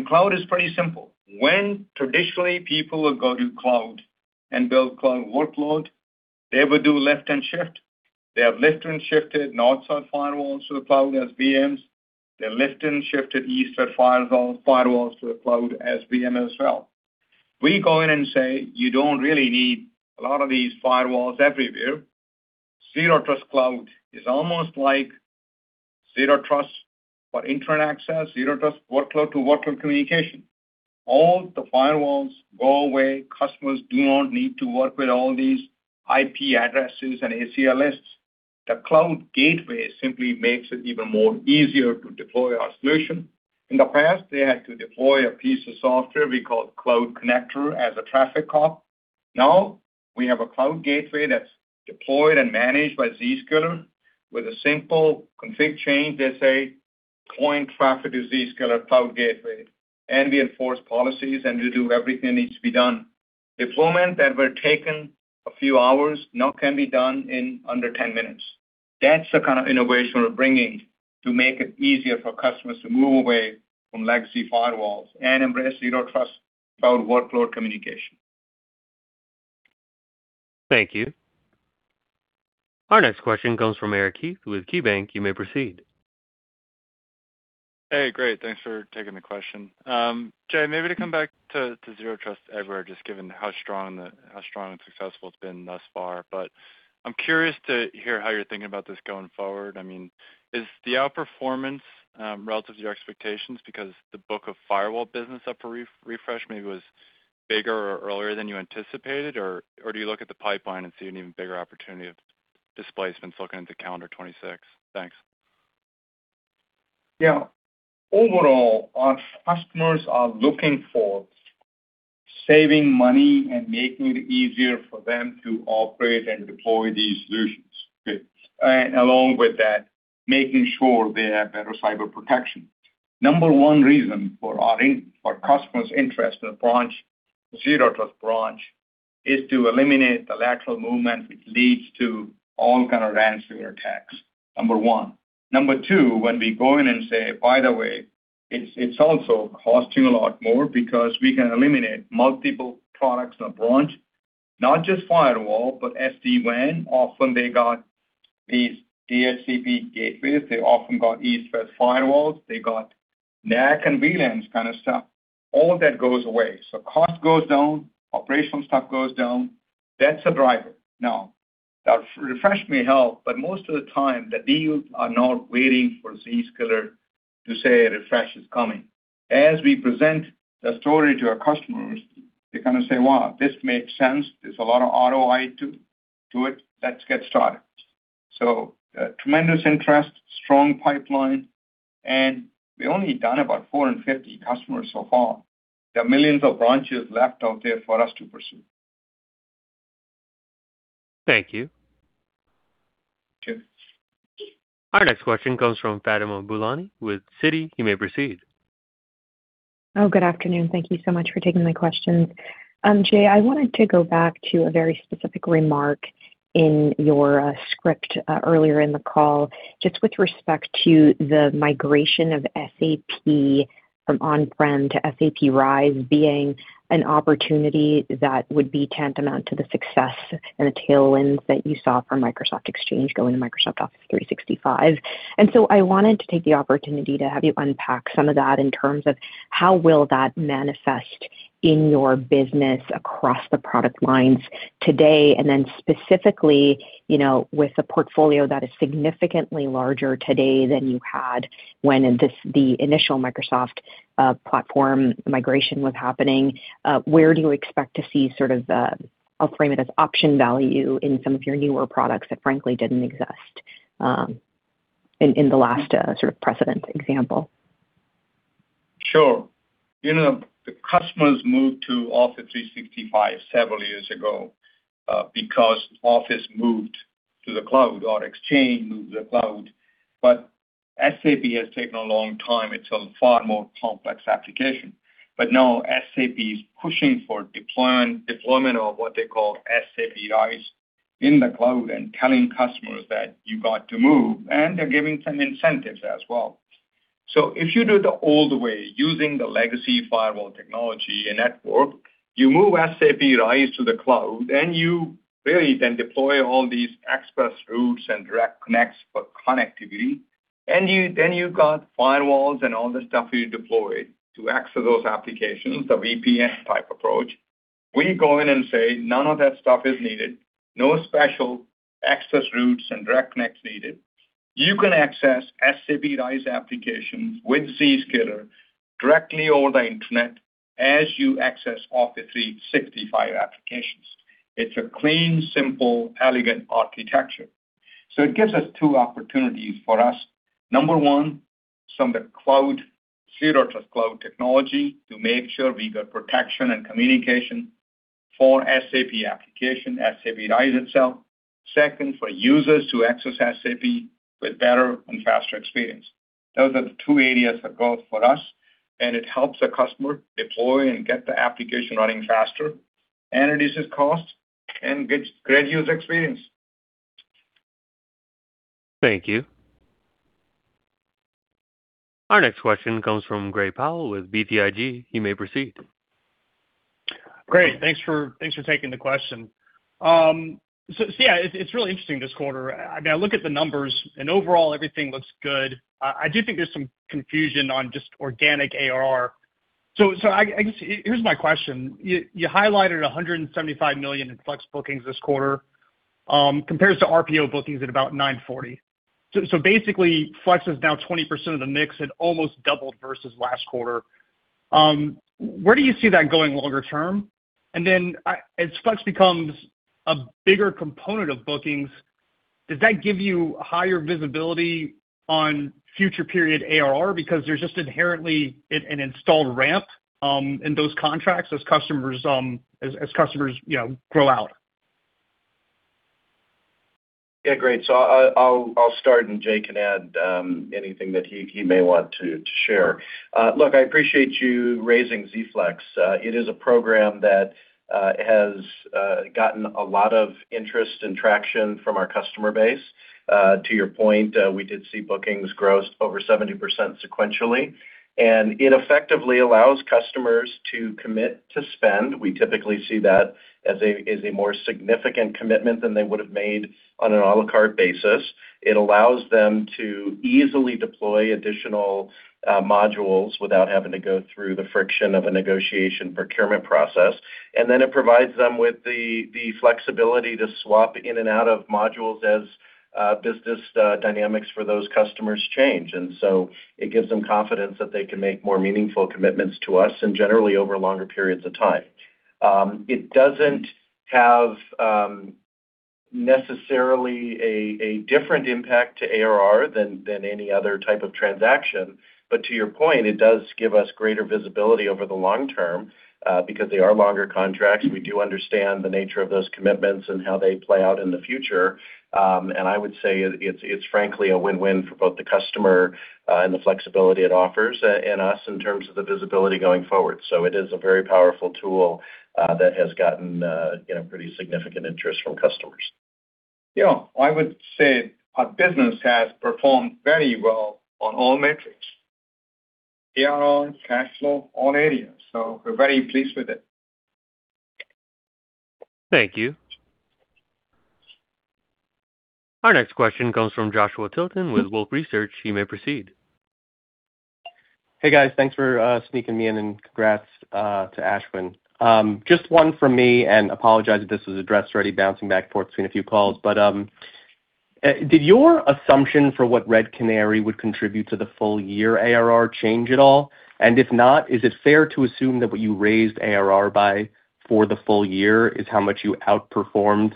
Cloud is pretty simple. When traditionally people would go to cloud and build cloud workload, they would do lift and shift. They have lift and shifted east-side on firewalls to the cloud as VMs. They lift and shifted east-side firewalls to the cloud as VM as well. We go in and say, "You don't really need a lot of these firewalls everywhere." Zero Trust Cloud is almost like Zero Trust for internet access, Zero Trust workload to workload communication. All the firewalls go away. Customers do not need to work with all these IP addresses and ACL lists. The Cloud Gateway simply makes it even more easy to deploy our solution. In the past, they had to deploy a piece of software we called Cloud Connector as a traffic cop. Now we have a cloud gateway that's deployed and managed by Zscaler. With a simple config change, they say, "Deploying traffic to Zscaler Cloud Gateway." We enforce policies, and we do everything that needs to be done. Deployments that were taking a few hours now can be done in under 10 minutes. That's the kind of innovation we're bringing to make it easier for customers to move away from legacy firewalls and embrace Zero Trust cloud workload communication. Thank you. Our next question comes from Eric Heath with KeyBanc. You may proceed. Hey, great. Thanks for taking the question. Jay, maybe to come back to Zero Trust Everywhere, just given how strong and successful it's been thus far. I mean, is the outperformance relative to your expectations because the book of firewall business up for refresh maybe was bigger or earlier than you anticipated, or do you look at the pipeline and see an even bigger opportunity of displacements looking at the calendar 2026? Thanks. Yeah. Overall, our customers are looking for saving money and making it easier for them to operate and deploy these solutions. Along with that, making sure they have better cyber protection. Number one reason for our customers' interest in the Zero Trust Branch is to eliminate the lateral movement which leads to all kinds of ransomware attacks. Number one. Number two, when we go in and say, "By the way, it's also costing a lot more because we can eliminate multiple products in a branch, not just firewall, but SD-WAN." Often they got these DHCP gateways. They often got east-west firewalls. They got NAC and VLANs kind of stuff. All that goes away. So cost goes down. Operational stuff goes down. That's a driver. Now, the refresh may help, but most of the time, the deals are not waiting for Zscaler to say, "Refresh is coming." As we present the story to our customers, they kind of say, "Wow, this makes sense. There's a lot of ROI to it. Let's get started. Tremendous interest, strong pipeline. We've only done about 450 customers so far. There are millions of branches left out there for us to pursue. Thank you. Our next question comes from Fatima Boolani with Citi. You may proceed. Good afternoon. Thank you so much for taking my questions. Jay, I wanted to go back to a very specific remark in your script earlier in the call, just with respect to the migration of SAP from on-prem to SAP RISE being an opportunity that would be tantamount to the success and the tailwinds that you saw from Microsoft Exchange going to Microsoft Office 365. I wanted to take the opportunity to have you unpack some of that in terms of how will that manifest in your business across the product lines today, and then specifically with a portfolio that is significantly larger today than you had when the initial Microsoft platform migration was happening. Where do you expect to see sort of the, I'll frame it as option value in some of your newer products that frankly didn't exist in the last sort of precedent example? Sure. Customers moved to Office 365 several years ago because Office moved to the cloud or Exchange moved to the cloud. SAP has taken a long time. It's a far more complex application. Now SAP is pushing for deployment of what they call SAP RISE in the cloud and telling customers that you've got to move, and they're giving some incentives as well. If you do it the old way, using the legacy firewall technology and network, you move SAP RISE to the cloud, and you really then deploy all these express routes and direct connects for connectivity. You have firewalls and all the stuff you deploy to access those applications, the VPN type approach. We go in and say, "None of that stuff is needed. No special express routes and direct connects needed. You can access SAP RISE applications with Zscaler directly over the internet as you access Office 365 applications." It is a clean, simple, elegant architecture. It gives us two opportunities for us. Number one, some of the cloud, Zero Trust Cloud technology to make sure we got protection and communication for SAP application, SAP RISE itself. Second, for users to access SAP with better and faster experience. Those are the two areas that go for us, and it helps the customer deploy and get the application running faster, and it eases cost and gives great user experience. Thank you. Our next question comes from Gray Powell with BTIG. You may proceed. Great. Thanks for taking the question. Yeah, it's really interesting this quarter. I mean, I look at the numbers, and overall, everything looks good. I do think there's some confusion on just organic ARR. I guess here's my question. You highlighted $175 million in Z-Flex bookings this quarter compared to RPO bookings at about $940 million. Basically, Z-Flex is now 20% of the mix and almost doubled versus last quarter. Where do you see that going longer term? As Z-Flex becomes a bigger component of bookings, does that give you higher visibility on future-period ARR because there's just inherently an installed ramp in those contracts as customers grow out? Yeah, great. I'll start, and Jay can add anything that he may want to share. Look, I appreciate you raising Z-Flex. It is a program that has gotten a lot of interest and traction from our customer base. To your point, we did see bookings gross over 70% sequentially. It effectively allows customers to commit to spend. We typically see that as a more significant commitment than they would have made on an à la carte basis. It allows them to easily deploy additional modules without having to go through the friction of a negotiation procurement process. It provides them with the flexibility to swap in and out of modules as business dynamics for those customers change. It gives them confidence that they can make more meaningful commitments to us and generally over longer periods of time. It does not have necessarily a different impact to ARR than any other type of transaction. To your point, it does give us greater visibility over the long term because they are longer contracts. We do understand the nature of those commitments and how they play out in the future. I would say it is frankly a win-win for both the customer and the flexibility it offers and us in terms of the visibility going forward. It is a very powerful tool that has gotten pretty significant interest from customers. Yeah. I would say our business has performed very well on all metrics: ARR, cash flow, all areas. We are very pleased with it. Thank you. Our next question comes from Joshua Tilton with Wolfe Research. You may proceed. Hey, guys. Thanks for sneaking me in, and congrats to Ashwin. Just one from me, and apologize if this was addressed already, bouncing back and forth between a few calls. Did your assumption for what Red Canary would contribute to the full-year ARR change at all? If not, is it fair to assume that what you raised ARR by for the full year is how much you outperformed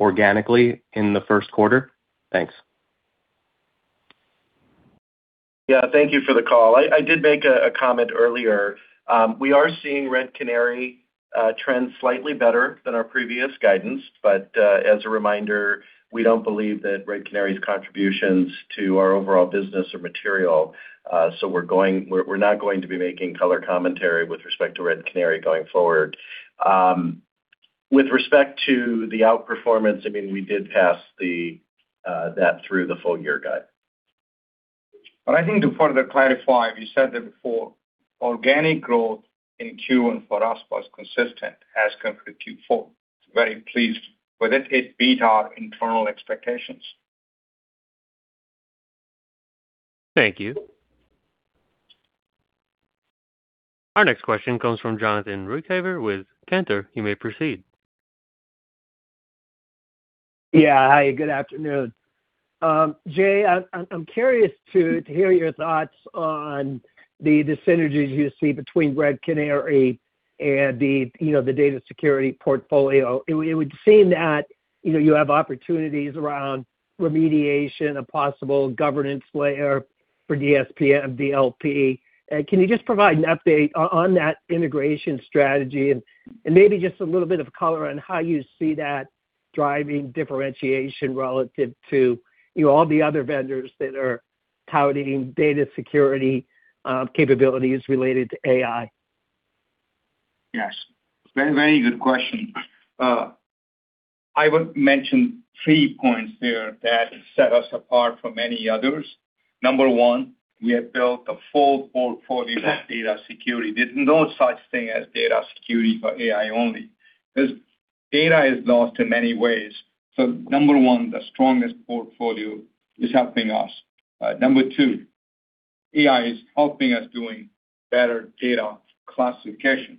organically in the first quarter? Thanks. Thank you for the call. I did make a comment earlier. We are seeing Red Canary trend slightly better than our previous guidance. As a reminder, we do not believe that Red Canary's contributions to our overall business are material. We are not going to be making color commentary with respect to Red Canary going forward. With respect to the outperformance, I mean, we did pass that through the full-year guide. I think to further clarify, we said it before. Organic growth in Q1 for us was consistent as compared to Q4. Very pleased with it. It beat our internal expectations. Thank you. Our next question comes from Jonathan Ruykhaver with Cantor. You may proceed. Yeah. Hi. Good afternoon. Jay, I am curious to hear your thoughts on the synergies you see between Red Canary and the data security portfolio. It would seem that you have opportunities around remediation, a possible governance layer for DSP and DLP. Can you just provide an update on that integration strategy and maybe just a little bit of color on how you see that driving differentiation relative to all the other vendors that are touting data security capabilities related to AI? Yes. Very good question. I would mention three points there that set us apart from many others. Number one, we have built a full portfolio of data security. There's no such thing as data security for AI only because data is lost in many ways. So number one, the strongest portfolio is helping us. Number two, AI is helping us doing better data classification,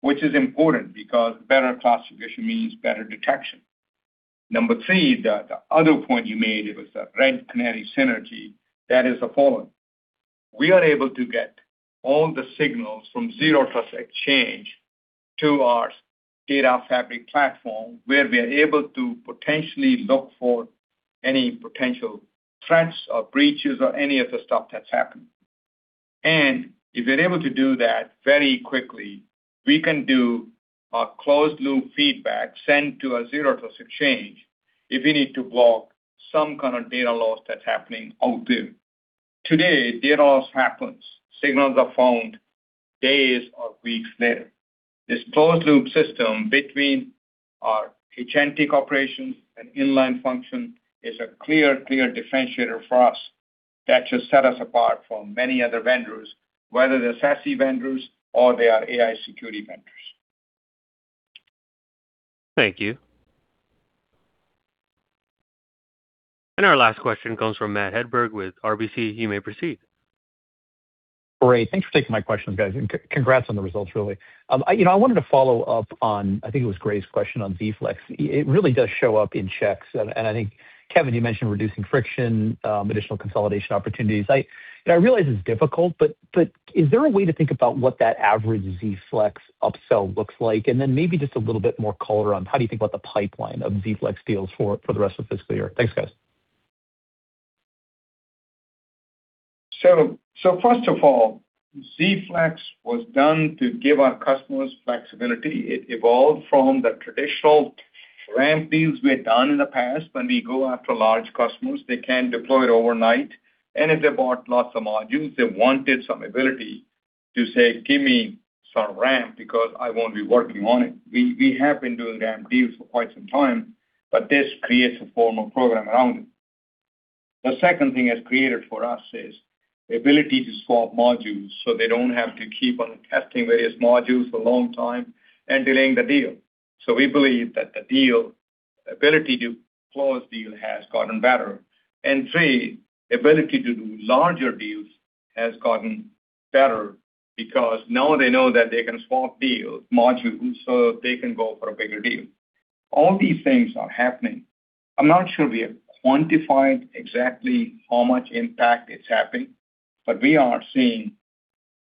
which is important because better classification means better detection. Number three, the other point you made was the Red Canary synergy that is a follow-up. We are able to get all the signals from Zero Trust Exchange to our Data Fabric platform where we are able to potentially look for any potential threats or breaches or any of the stuff that's happening. If we're able to do that very quickly, we can do a closed-loop feedback sent to a Zero Trust Exchange if we need to block some kind of data loss that's happening out there. Today, data loss happens. Signals are found days or weeks later. This closed-loop system between our agentic operations and inline function is a clear, clear differentiator for us that should set us apart from many other vendors, whether they're SASE vendors or they are AI security vendors. Thank you. Our last question comes from Matt Hedberg with RBC. You may proceed. Great. Thanks for taking my questions, guys. And congrats on the results, really. I wanted to follow up on, I think it was Gray's question on Z-Flex. It really does show up in checks. I think, Kevin, you mentioned reducing friction, additional consolidation opportunities. I realize it's difficult, but is there a way to think about what that average Z-Flex upsell looks like? Maybe just a little bit more color on how do you think about the pipeline of Z-Flex deals for the rest of fiscal year? Thanks, guys. First of all, Z-Flex was done to give our customers flexibility. It evolved from the traditional ramp deals we had done in the past when we go after large customers. They can't deploy it overnight. If they bought lots of modules, they wanted some ability to say, "Give me some ramp because I won't be working on it." We have been doing ramp deals for quite some time, but this creates a formal program around it. The second thing it has created for us is the ability to swap modules so they do not have to keep on testing various modules for a long time and delaying the deal. We believe that the ability to close deals has gotten better. Three, the ability to do larger deals has gotten better because now they know that they can swap deals, modules, so they can go for a bigger deal. All these things are happening. I am not sure we have quantified exactly how much impact it is having, but we are seeing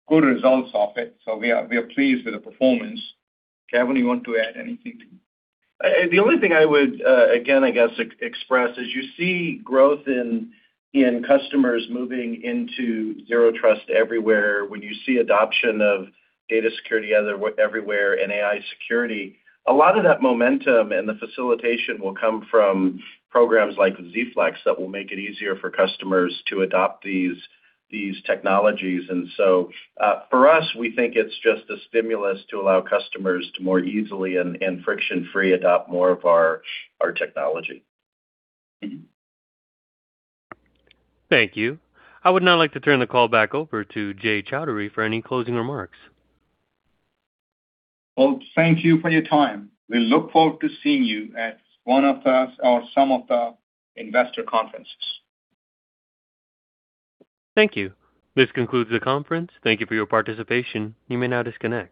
good results of it. We are pleased with the performance. Kevin, you want to add anything? The only thing I would, again, I guess, express is you see growth in customers moving into Zero Trust Everywhere. When you see adoption of Data Security Everywhere and AI Security, a lot of that momentum and the facilitation will come from programs like Z-Flex that will make it easier for customers to adopt these technologies. For us, we think it's just a stimulus to allow customers to more easily and friction-free adopt more of our technology. Thank you. I would now like to turn the call back over to Jay Chaudhry for any closing remarks. Thank you for your time. We look forward to seeing you at one of the or some of the investor conferences. Thank you. This concludes the conference. Thank you for your participation. You may now disconnect.